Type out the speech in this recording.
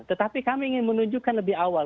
tetapi kami ingin menunjukkan lebih awal